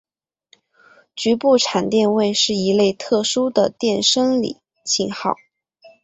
局部场电位是一类特殊的电生理信号。